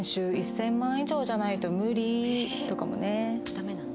ダメなの？